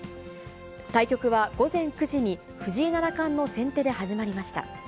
対局は午前９時に藤井七冠の先手で始まりました。